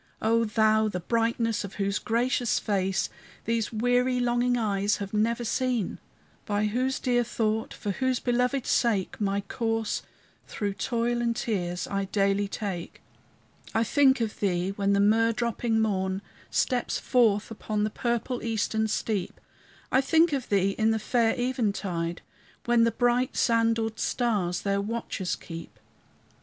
O Thou, the brightness of whose gracious face These weary, longing eyes have never seen, By whose dear thought, for whose belovèd sake, My course, through toil and tears, I daily take, I think of thee when the myrrh dropping morn Steps forth upon the purple eastern steep; I think of thee in the fair eventide, When the bright sandaled stars their watches keep.